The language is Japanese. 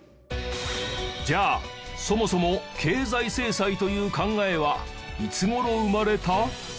じゃあそもそも経済制裁という考えはいつ頃生まれた？